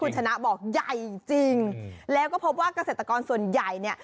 คุณชนะบอกใหญ่จริงแล้วก็พบว่าเกษตรกรส่วนใหญ่เนี่ย